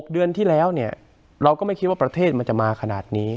เดือนที่แล้วเราก็ไม่คิดว่าประเทศมันจะมาขนาดนี้